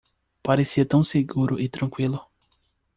Parecia tão seguro e tranquilo.